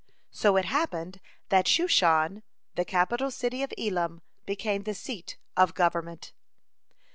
So it happened that Shushan, the capital city of Elam, became the seat of government.